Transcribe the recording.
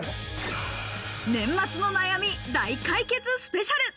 年末の悩み、大解決スペシャル。